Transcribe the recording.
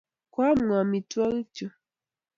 Koam ng'o amitwogikchu?